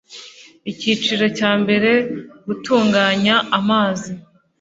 Icyiciro cya mbere Gutunganya amazi